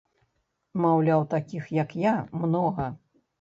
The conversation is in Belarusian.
Маўляў, такіх, як я, многа.